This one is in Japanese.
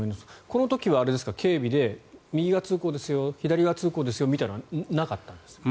この時は警備で右側通行ですよ左側通行ですよみたいなのはなかったんですか？